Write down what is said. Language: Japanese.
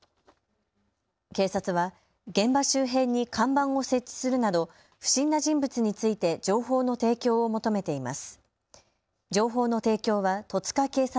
警察は現場周辺に看板を設置するなど不審な人物について情報の提供を求めています。